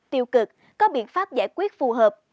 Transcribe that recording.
tiêu cực có biện pháp giải quyết phù hợp